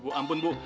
bu ampun bu